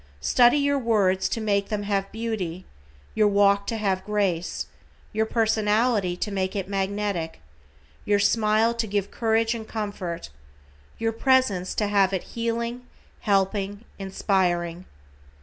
Study your words to make them have beauty, your walk to have grace, your personality to make it magnetic, your smile to give courage and comfort, your presence to have it healing, helping, inspiring.